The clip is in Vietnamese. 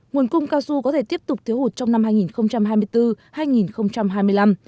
nguồn cung cao su có thể tiếp tục thiếu hụt trong năm hai nghìn hai mươi bốn hai nghìn hai mươi năm